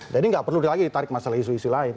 jadi tidak perlu lagi ditarik masalah isu isu lain